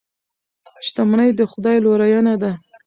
شتمني د خدای لورینه ده.